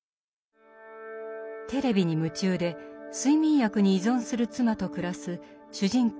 テレビに夢中で睡眠薬に依存する妻と暮らす主人公